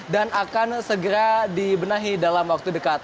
dan akan segera dibenahi dalam waktu dekat